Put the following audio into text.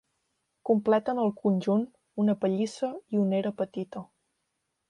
Completen el conjunt una pallissa i una era petita.